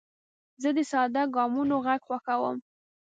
زه د ساده ګامونو غږ خوښوم.